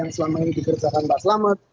selama ini diberikan mbah selamet